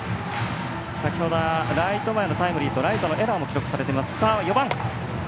先ほどはライト前のタイムリー、ライトのエラーも記録されています。